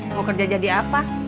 mau kerja jadi apa